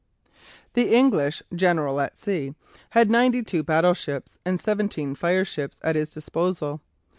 The English "general at sea" had ninety two battleships and seventeen fireships at his disposal.